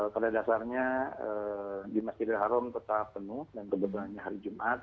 pada dasarnya di masjid al haram tetap penuh dan kebenarannya hari jumat